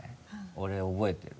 俺覚えてる。